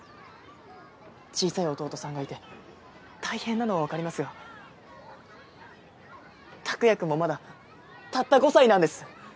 小さい弟さんがいて大変なのはわかりますがタクヤくんもまだたった５歳なんです。